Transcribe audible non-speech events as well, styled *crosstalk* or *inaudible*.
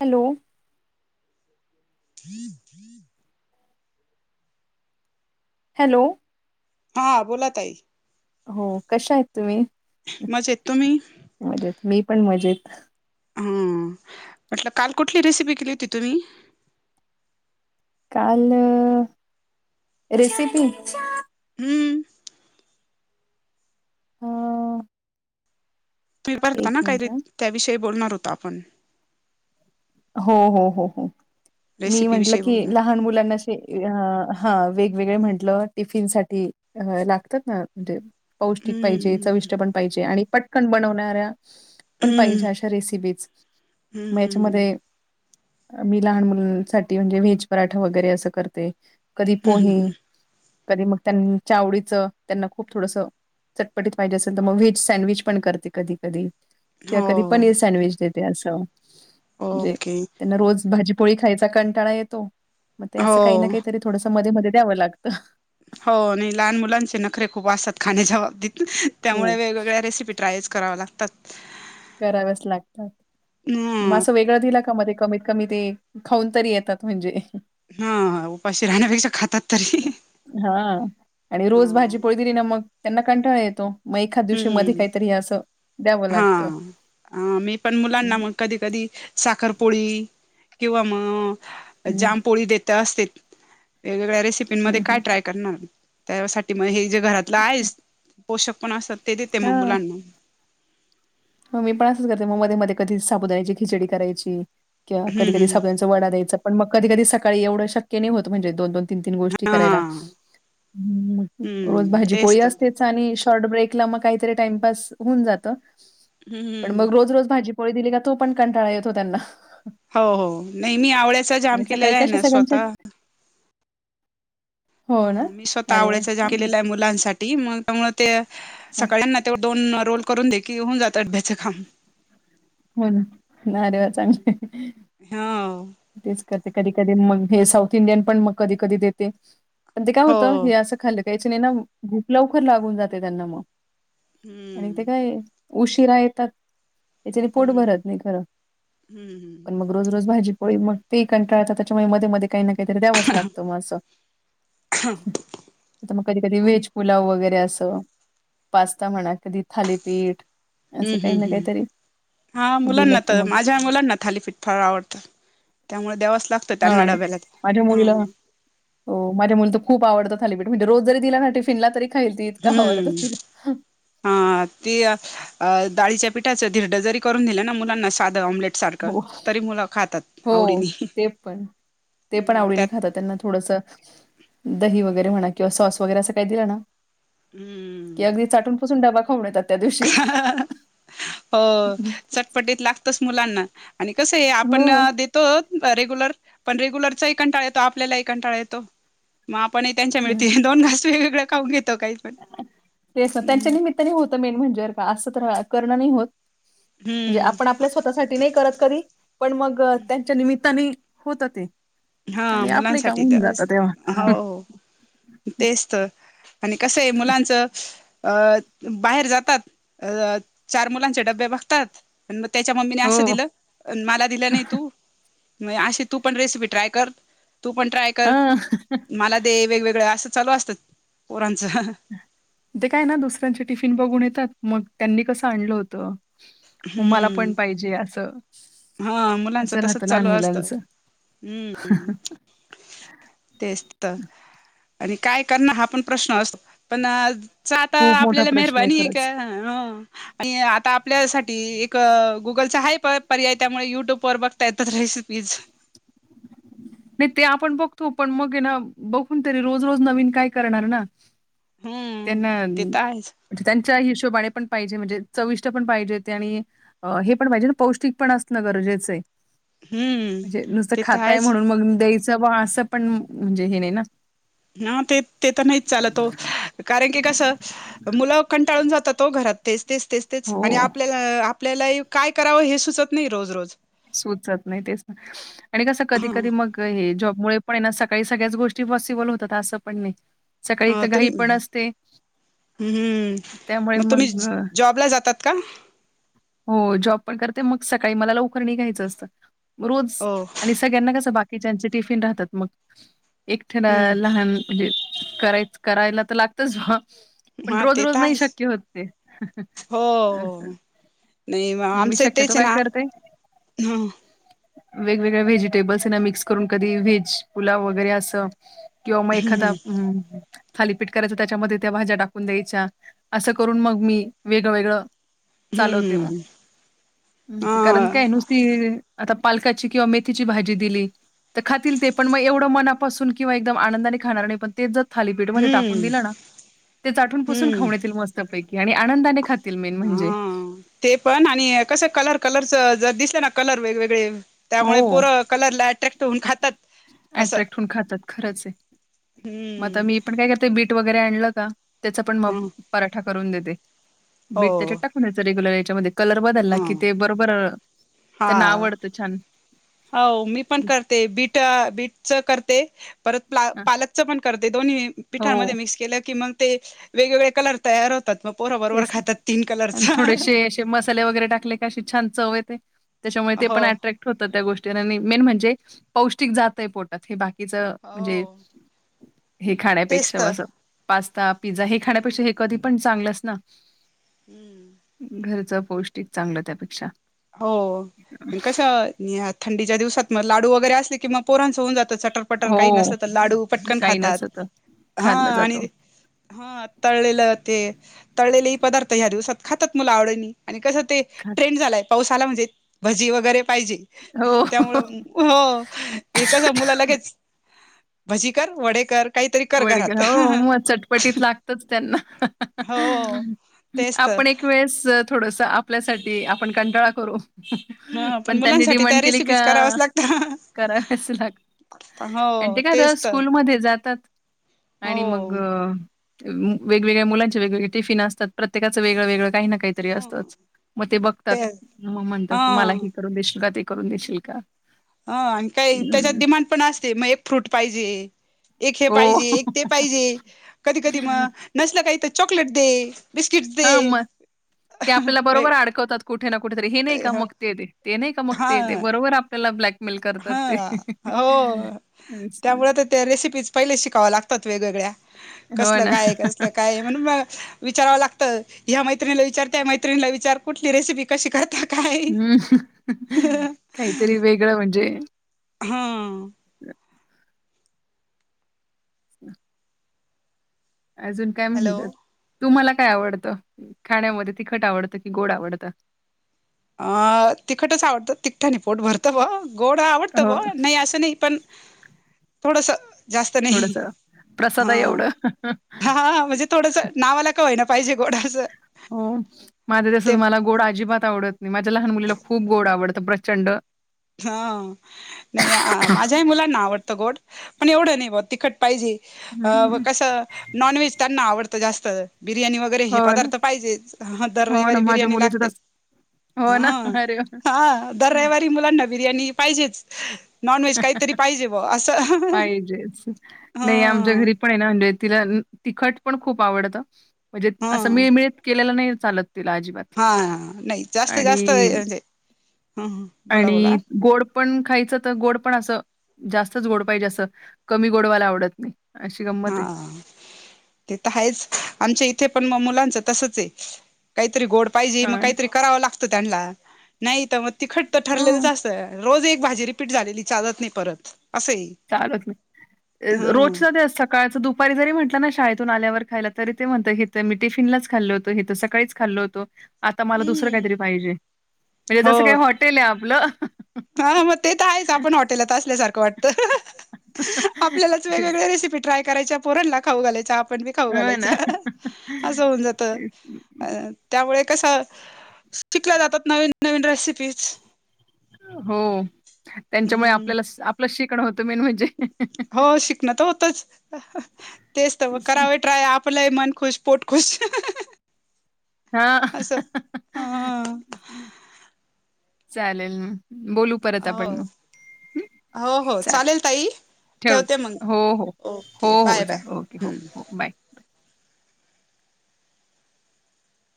Hello! *inaudible* Hello! हा बोला ताई. हो कशा आहेत तुम्ही? मजेत तुम्ही मजेत मी पण मजेत. अम, म्हटलं काल कुठली रेसिपी केली होती तुम्ही? काल रेसिपी हम्म अ... फिर *inaudible* पाार होता एक ना मिनिट काहीतरी हा त्याविषयी बोलणार होतो आपण हो हो हो हो, मी रेसिपी म्हटलं विषयी की बोलणार लहान मुलांना अस अ हा वेगवेगळे म्हंटलं टिफिन साठी लागतात ना ते पौष्टिक पाहिजे हम्म चविष्ट पण पाहिजे आणि पटकन बनवणाऱ्या पण पाहिजे हम्म अशा रेसिपीच मग हम्म याच्यामध्ये मी लहान मुलांसाठी म्हणजे व्हेज पराठा वगैरे असं करते कधी पोहे हम्म कधी मग त्यांच्या आवडीचं त्यांना खूप थोडस चटपटीत पाहिजे असेल तर मग व्हेज सँडविच पण करते कधी कधी किंवा हो कधी पनीर सँडविच देते असं म्हणजे ओके त्यांना रोज भाजीपोळी खायचा कंटाळा येतो मग ते हो असं काही ना काहीतरी थोडंस मध्ये मध्ये द्यावं लागतं. हो नाही लहान मुलांचे नखरे खूप असतात खाण्याच्या बाबतीत हो त्यामुळे वेगवेगळ्या रेसिपी ट्रायच कराव लागतात. कराव्याच लागतात, ह मं वे *unintelligible* *unintelligible* गळ दिला का म कमीत कमी ते खाऊन तरी येतात म्हणजे हा उपाशी राहण्यापेक्षा खातात तरी. हा आणि ह रोज भाजी पोळी दिली ना मग त्यांना कंटाळा येतो. मग एखाद दिवशी मध्ये हम्म काहीतरी असं द्यावं लागतं. अ मी पण मुलांना हम्म मग कधी कधी साखरपोळी किंवा मग हम्म जामपोळी देत असते, वेगवेगळ्या रेसिपींमध्येध्ये हम्म काय ट्राय करण त्यासाठी मग हे जे घरातलं आहेस पोषक पण असतात ते देते मग हा मुलांना. मी पण असंच करते म मध्ये मध्ये कधी साबदाची खिचडी करायची किंवा कधी हम्म कधी हम्म साबुची वडा्यायच पण मग कधीध सकाळी एवढं शक्य नाही होत म्हणजे दोन दो तीन तीन गोष्टी हा हा करायला रोज हम्म भाजी तेच पोळी तर असते. शॉट ब्रेकला काही तरी टाइमपास होऊन जात. पण हम्म मग रोज रोज भाजीपोळी दिली का तो पण कंटाळा येतो त्यांना. हो हो नाही मी आवळ्याचा जाम आणि सकाळी केलेला आहे कशा ना सगळ्यांच्या स्वतः हो ना? ह मी स्वतः अरे वाह! आवडचा जाम चांगलं. केलेल्या आहे मुलांसाठी *inaudible* त्यामुळे ते हां, सकाळना *unintelligible* दोन रोल करून दे की होऊन जात अड्याचं खांम *unintelligible* हो ना ना रे वा चां *unintelligible* हो तेच करते कधी कधी मग हे साऊथ इंडियन पण मग कधी कधी देते पण ते काय होतं हो हे असं खाल्लं कायच नाही ना भूप लवकर लागून जाते त्यांना मग हम्म आणि ते काय उशिरा येतात त्याच्यानं पोट हम्म भरत नाही खरं हम्म पण मग रोज रोज भाजी पोळीमुळे ते कंटाळतात त्याच्यामुळे मध्ये मध्ये काही ना काहीतरी द्यावच लागत मग मग कधी कधी व्हेज पुलाव वगैरे असं पास्ता म्हणा कधी थालीपीठ हम्म असं काही हम् ना हम्, काहीतरी हा दिलं मुलांना की तर मग माझ्या मुलांना थालीफीट फार आवडतं त्यामुळे द्यावच लागत हो ना माझ्या मुलीला हो माझ्या मुलीला तर खूप आवडत थालीपीठ म्हणजे रोज जरी दिलना टिफिनला तरी खाईल ती इतकं आवडतं हम्म तिला. हा ती डाळीच्या पिठाचं धिरडं जरी करून दिलं ना मुलांना साधं ऑमलेट सारखं हो. तरी मुलं खातात हो आवडीने. ते पण ते पण हम्म, आवडीने त्यात खातात त्यांना थोडंसं दही वगैरे म्हणा किंवा सॉस वगैरे असं काही दिलं न हम्म की अगदी चाटूनपसून डबा खावुन येतात त्या दिवशी मग. ह ह हो चटपटीत लागतच मुलांना आणि कसं आहे आपण हो. दे तो रेग्युलर पण रेग्युलरचाही कंटाळा येतो आपल्याला कंटाळा येतो मग आपण त्यांच्या मिळते दोन घास वेग वेगळे खाऊन घेतो काही पण तेच ना त्यांच्या हम्म निमित्ताने होत मेन म्हणजे का असं तर करणं नाही होत. म्हणजे आपण आप हम्म आपल्या स्वतःसाठी नाही करत कधी पण मग त्यांच्या निमित्तानि होत ते. हा आणि आपले काम मुलांसाठी होऊन जातं तेव्हा. *unintelligible* हो तेच तर आणि कसं आहे मुलांचं अ बाहेर जातात अ चार मुलांचे डबे बघतात मग त्याच्या मम्मीने असं हो. दिलं मला दिलं नाही तू अशी तू पण रेसिपी ट्राय कर तू पण ट्राय कर हा मला ते वेगवेगळ असं चालू असतात पोरांचं ह ह ते काय ना दुसऱ्यांचे टिफिन बघून येतात मग त्यांनी कसं आणलं होतं मग माला हम्म पण पाहिजे असं हा मुलांच असं तसच राहतं लहान चालू असतं मुलांचं हम्म तेच त आणि काय करणार हा पण प्रश्न असतो पण आता खूप मोठा आपल्याला प्रश्न आहे मेहरबनी एक खरंच. हं आणि आता आपल्यासाठी एक गुगलचा हाय पर्याय त्यामुळे युट्यूब वर बघ ता येतात रेसिपीज नाय ते आपण बघतो पण मग ये ना बघून तरी रोज रोज नवीन काय करणार ना हम्म त्यांना ते तर आहेच त्यांच्या हिशोबाने पण पाहिजे म्हणजे चविष्ट पण पाहिजे ते आणि हे पण पाहिजे ना पौष्टिक पण असणं गरजेचं आहे हम्म म्हणजे नुसतं ते तर खाताय आहेच म्हणून मग द्यायचं बा असं पण म्हणजे हे नाही ना ह ते ते तर नाहीच चालतो हो कारण की कसं मुलं कंटाळून जातात हो घरात तेच तेच तेच आणि हो आपल्याला आपल्याला ही काय करावं हे सुचत नाही रोज रोज सुचत नाही तेच ना आणि कस कधी ह कधी मग हे जॉब मुळे पण आहे ना सकाळी सगळ्याच गोष्टी पॉसिबल होतात असं पण नाही सकाळी एक ह तर घाई तुम्ही पण असते हम्म हम्म त्यामुळे मग तुम्ही अ, जॉबला जातात का? हो जॉब पण करते मग सकाळी मला लवकर निघायचं असत रोज हो आणि स सगळ्यांना कस बाकीच्याचे टिफिन राहतात मग एकतेला हम्म लहान म्हणजे कराय करायला तर लागतच बा पण हा रोज ते रोज तर नाही आहेच शक्य होत ते. हो हो नाही मी शक्यतो काय करते हम वेगवेगळ्या व्हेजिटेबल्सना मिक्स करून कधी व्हेज पुलाव वगैरे असं किंवा म एखादा हम् ह थालीपीठ करायचं त्याच्यामध्ये त्या भाज्या टाकून द्यायच्या असं करून मग मी वेगळंवेेगळं चालवते मग हम्म हा अहं कारण काय नुसती हम आता पालकाची किंवा मेथीची भाजी दिली तर खातील ते पण मग एवढं मनापासून किंवा एकदम आनंदाने खाणार नाही पण तेच जर थालीपीठ मध्ये टाकून हम्म दिलं ना ते चाटुन पूसून हम्म खाऊन येतील मस्तपैकी आणि आनंदाने खात तील मेन म्हणजे हा ते पण आणि कसं कलर कलरच जर दिसलं ना कलर वेगवेगळे त्यामुळे हो. पोरं कलरला अट्रॅक्ट होऊन खातात असं अट्रॅक्ट होऊन खातात खरंच आहे. मग आता हम्म मी पण काय करते बीट वगैरे आणलं का त्याचा पण मग ह पराठा करून देते हो बीट त्याच्यात टाकून द्यायचं रेग्युलर याच्यामध्ये कलर बदल ना ह कि ते बरोबर त्यांना हा आवडतं छान हो मी पण करते बीट बीटच करते परत फ्ला हां, पालकचं पण करते दोन्ही हो पिठांमध्ये मिक्स केलं की मंग ते वेगवेगळे कलर तयार होतात मग पोर बरोबर खातात तीन कलरचा हा हा हा ते मसाले वगैरे टाकले की अशी छान चव येते त्याच्यामुळे ते हो पण ॲट्रॅक्ट होत त्या गोष्टी आणि मेन म्हणजे पौष्टिक जातयं पोटात हे बाकीच म्हणजे हो हे तेच खाण्यापेक्षा तर असं पास्ता पिझ्झा हे खाण्यापेक्षा हे कधी पण चांगलंच ना हम्म घरचं पौष्टिक चांगलं त्यापेक्षा हो कसं नि ह्यात थंडीच्या दिवसात मग लाडू वगैरे असले की मग पोरांंच होऊ जातं चटक पटकन काही हो नसत तर लाडू पटकन काही खातात नसत हा खाल्लं जातो आणि हा तळलेलं ते तळलेले ही पदार्थ ह्या दिवसात खातात मुलं आवडीने आणि कसं ते खात ट्रेंड झालाय पाऊस आला म्हणजे भजी वगैरे पाहिजेल त्यामुळे हो हो ते कसं मुलं लगेच भजी कर वडे कर काहीतरी वडे कर घरात हो मग चटपटीत लागतच त्यांना हं हं हं हो अहं हं तेच तर आपण एक वेळेस थोडस आपल्यासाठी आपण कंटाळा करू हम हम ह पण त्यांनी मुलांसाठी डिमांड त्या केली रेसिपीज का कराव्याच लागत करावच लागतं हो ह.. ते काय तर तेच स्कूलमध्ये जातात आणि मग हो वेगवेगळ्या मुलांचे वेगवेगळे टिफिन असतात प्रत्येकाचं वेगळं वेगळं काही ना काही काही तरी असतच मग ते बघतात मग म्हणतात मला हा हे करून देशील का ते करून देशील का का ह आणि काही त्याच्यात डिमांड पण असते मग एक फ्रूट पाहिजे एक हे हो पाहिजे एक ते पाहिजे कधी कधी मग नसलं काही तर चॉकलेट दे बिस्किट दे हा मग ते आपल्याला बरोबर अडकवतात कुठे ना कुठेेतरी हे नाही का मगते दे ते नाही का मग ते दे हा बरोबर आपल्याला ब्लॅक हा हो असं. त्यामुळे तर त्या रेसिपीज पहिले शिकाव्या लागतात वेगवेगळ्या हो कसलं ना. काय कसलं काय म्हणून मला विचारावं लागतं ह्या मैत्रिणीला विचार त्या मैत्रिणीला विचार कुठली रेसिपी कशी करतात हम्म... काईतरी वेगळं म्हणजे हु. *inaudible* *inaudible* अजून काय हॅलो म्हणतात, तुम्हाला काय आवडतं... खाण्यामध्ये, तिखट आवडतं की गोड आवडतं? अं... तिखटच आवडतं, तिखटानी पोट भरतं बां! गोड आवडतं हो, ब्वा... नई असं नई... पण थोडंसं. जास्त नई... थोडंसं प्रसादा हं. एवढं. हा... म्हणजे थोडंसं, नावाला का होईना... पाहिजे गोड... असं. हो. माझे तसंच ते ए... मला गोड अजिबात आवडत नई. माझ्या लहान मुलीला खूप गोड आवडतं... प्रचंड! हा... नई... माझ्याही मुलांना आवडतं गोड, पण एवढं नई बां तिखट पायजे... अं... हं. कसं... नॉनव्हेज त्यांना आवडतं जास्त... बिर्याणी वगैरे वगैरे हे हो ना. पदार्थ पाहिजेच. हं... दर हो ना. रविवारी माझ्या बिर्याणी मुलीचं लागते. तसं. हो ना. हं... अरे वाह! हा, दर रविवारी मुलांना बिर्याणी पाहिजेच. नॉन व्हेज काहीतरी पाहिजे बुवा... असं... पाहिजेच. नाही आमच्या हं. घरी पण हे ना म्हणजे तिला... तिखट पण खूप आवडतं. म्हणजे, हा असं मिळमिळीत केलेलं नई चालत तिला आजिबात हा हा नाही जास्त जास्त आणि... म्हणजे ह बोला आणि, बोला गोड पण खायचं तर गोड पण असं... जास्तच गोड पाहिजे असं... कमी गोडवालं आवडत नाई. हा... ते तर हायेच... आमच्या इथे पण... मग... मुलांचं तसंच ए. काहीतरी गोड पाहिजे... मग हां ना. काहीतरी करावं लागतं त्यांना नाई तर मग तिखट तर, हो ठरलेलंच असं... रोज एक भाजी रिपीट झालेली चालत नाई परत... असंए चालत नई रोजचं तेच... सकाळचं दुपारी जरी म्हटलं ना, शाळेतून आल्यावर खायला... तरी ते म्हणतं की ते मी टिफिनलाच खाल्लं होतो, हे तर सकाळीच खाल्लो होतो. आता मला दुसरं काहीतरी पाहिजे. म्हणजे... हो जसं काय हॉटेल ए आपलं हा... मग ते तर आहेच. आपण हॉटेलात असल्यासारखं वाटतं. आपल्यालाच वेगवेगळ्या रेसिपी ट्राय करायच्या... पोरानला खाऊ घालायच्या, आपण बी खाऊ हो ना. घालायच्या... असं होऊन जातं. अं... त्यामुळे कसं... शिकल्या जातात, नवीन नवीन रेसिपीज हो... त्यांच्यामुळे हम्म आपल्यालाच, आपलंच शिकणं होतं, मेन म्हणजे हो, शिकणं तर होतंच... तेच तर मग, करावे ट्राय आप आपलंही मन खुश... पोट खुश... हां. असं, हा चालेल... बोलू परत हो आपण मग हं? हो हो... चालेल ताई ठेव. ठेवते मग... हो हो. हो ओके, हो बाय बाय... चालेल ओके हो हम्म हो बाय.